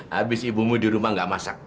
habis ibumu di rumah gak masak